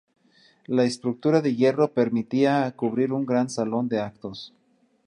La estructura de hierro permitía cubrir un gran salón de actos.